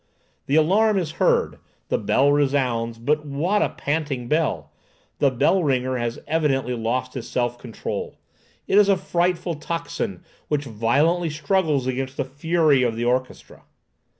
The alarum is heard; the bell resounds; but what a panting bell! The bell ringer has evidently lost his self control. It is a frightful tocsin, which violently struggles against the fury of the orchestra.